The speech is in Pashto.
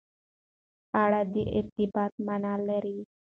اړه د ارتباط معنا لري.